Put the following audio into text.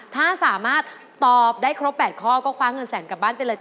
ถ้าสามารถตอบได้ครบ๘ข้อก็คว้าเงินแสนกลับบ้านไปเลย